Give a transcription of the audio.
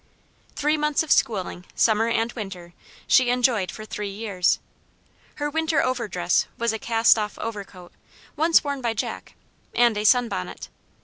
Three months of schooling, summer and winter, she enjoyed for three years. Her winter over dress was a cast off overcoat, once worn by Jack, and a sun bonnet.